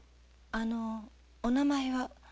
あのお名前は？